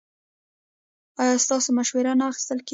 ایا ستاسو مشوره نه اخیستل کیږي؟